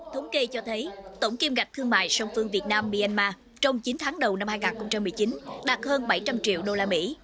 thống kê cho thấy tổng kiêm gạch thương mại song phương việt nam myanmar trong chín tháng đầu năm hai nghìn một mươi chín đạt hơn bảy trăm linh triệu đô la mỹ